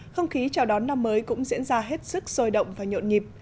không khí chào đón năm mới cũng diễn ra hết sức sôi động và nhộn nhịp